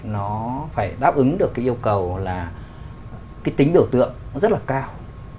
nó phải đáp ứng được cái yêu cầu là cái tính biểu tượng nó rất là cao